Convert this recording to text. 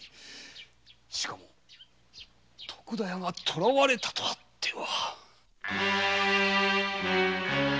しかも徳田屋が捕われたとあっては。